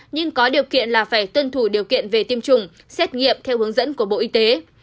nhưng có điều kiện là phải tuân thủ điều kiện về tiêm chủng xét nghiệm theo hướng dẫn của bộ y tế